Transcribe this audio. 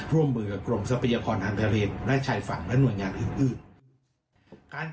ร่วมมือกับกรมทรัพยากรอันดาเรนและชายฝั่งและหน่วยงานอื่น